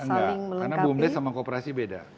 saling melengkapi enggak karena bumdes sama kooperasi beda